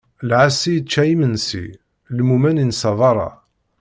Lɛaṣi ičča imensi, lmumen insa beṛṛa.